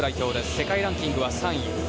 世界ランキングは３位。